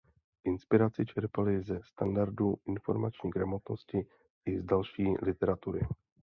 Inspiraci čerpali ze standardů informační gramotnosti i z další literatury.